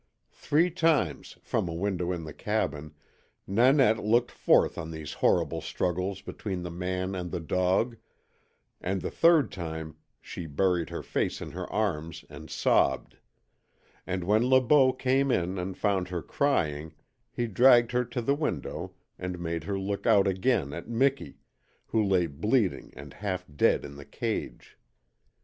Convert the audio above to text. Three times, from a window in the cabin, Nanette looked forth on these horrible struggles between the man and the dog, and the third time she buried her face in her arms and sobbed; and when Le Beau came in and found her crying he dragged her to the window and made her look out again at Miki, who lay bleeding and half dead in the cage.